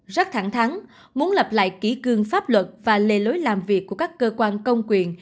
rất thẳng thắng muốn lập lại kỷ cương pháp luật và lề lối làm việc của các cơ quan công quyền